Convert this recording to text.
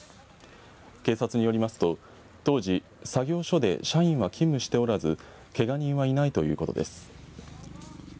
警察によりますと当時作業所で社員は勤務しておらずけが人はいないということです。